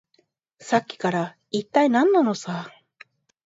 さっきから、いったい何なのさ。